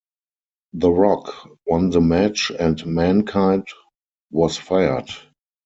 The Rock won the match and Mankind was fired.